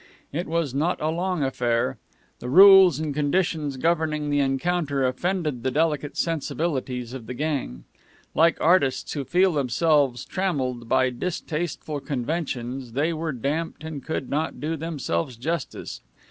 It was not a long affair. The rules and conditions governing the encounter offended the delicate sensibilities of the gang. Like artists who feel themselves trammeled by distasteful conventions, they were damped and could not do themselves justice.